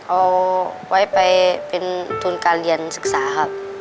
เอาไว้ไปเป็นทุนการเรียนศึกษาครับ